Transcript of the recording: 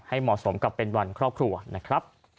ให้เหมาะสมกับเป็นวันครอบครัว